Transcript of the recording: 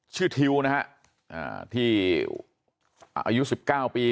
ทิวนะฮะที่อายุ๑๙ปี